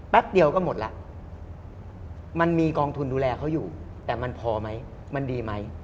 เดียวก็หมดแล้วมันมีกองทุนดูแลเขาอยู่แต่มันพอไหมมันดีไหม